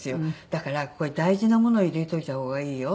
「だからここに大事なもの入れておいた方がいいよ。